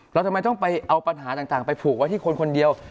ทำไมต้องไปเอาปัญหาต่างไปผูกไว้ที่คนคนเดียว